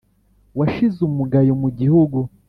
Washize umugayo mu gihugu